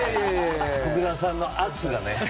福田さんの圧がね。